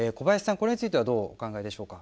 これについてはどうお考えでしょうか。